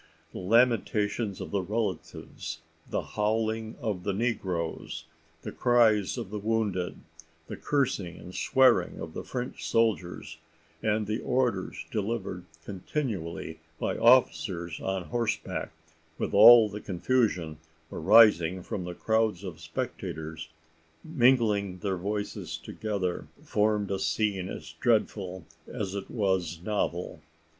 The lamentations of the relatives the howling of the negroes the cries of the wounded the cursing and swearing of the French soldiers, and the orders delivered continually by officers on horseback, with all the confusion arising from crowds of spectators, mingling their voices together, formed a scene as dreadful as it was novel.